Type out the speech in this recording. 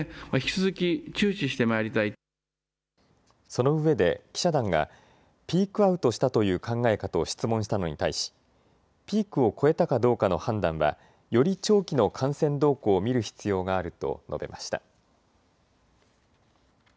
そのうえで記者団がピークアウトしたという考えかと質問したのに対しピークを越えたかどうかの判断はより長期の感染動向を見る必要があると述べました。